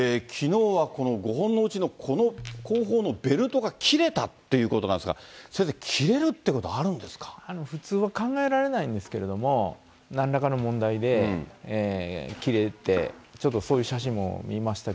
きのうはこの５本のうちの、この後方のベルトが切れたっていうことなんですが、先生、切れるって普通は考えられないんですけども、なんらかの問題で切れて、ちょっとそういう写真も見ました